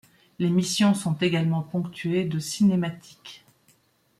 Les missions sont également ponctuées de cinématiques.